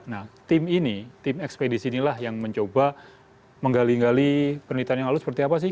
nah tim ini tim ekspedisi inilah yang mencoba menggali gali penelitian yang lalu seperti apa sih